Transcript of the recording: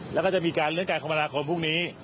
แล้วก็จะมีการเลื่อนการคมนาคมพรุ่งนี้